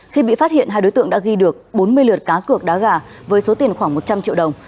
khi bị phát hiện hai đối tượng đã ghi được bốn mươi lượt cá cược đá gà với số tiền khoảng một trăm linh triệu đồng